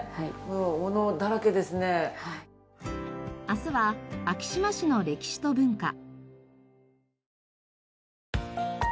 明日は昭島市の歴史と文化。